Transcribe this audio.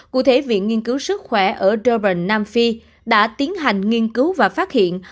cụ thể viện nghiên cứu sức khỏe ở derbank nam phi đã tiến hành nghiên cứu và phát hiện